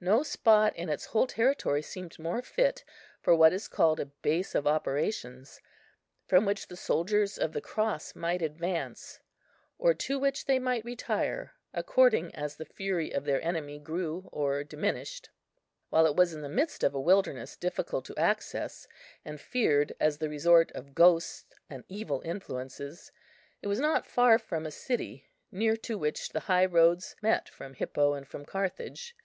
No spot in its whole territory seemed more fit for what is called a base of operations, from which the soldiers of the Cross might advance, or to which they might retire, according as the fury of their enemy grew or diminished. While it was in the midst of a wilderness difficult of access, and feared as the resort of ghosts and evil influences, it was not far from a city near to which the high roads met from Hippo and from Carthage.